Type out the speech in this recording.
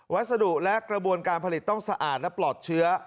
วัสดุและกระบวนการผลิตต้องสะอาดและปลอดเชื้อ